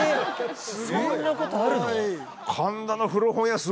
そんなことあるの？